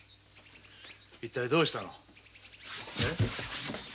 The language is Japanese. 一体どうしたの？え？